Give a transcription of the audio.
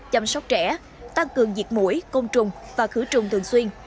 chăm sóc trẻ tăng cường diệt mũi công trùng và khử trùng thường xuyên